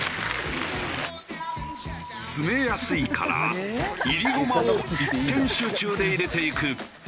詰めやすいからいりごまを一点集中で入れていく。